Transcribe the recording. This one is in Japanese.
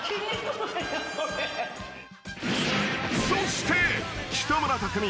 ［そして北村匠海。